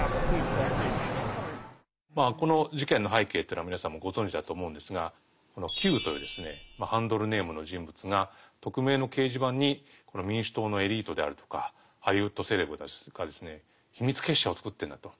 まあこの事件の背景というのは皆さんもうご存じだと思うんですが「Ｑ」というハンドルネームの人物が匿名の掲示板に民主党のエリートであるとかハリウッドセレブたちが秘密結社を作ってるんだと。